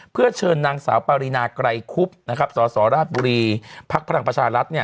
เพื่อเชิญนางสาวปรินาไกรคุบสสราภุรีภรรังประชารัฐ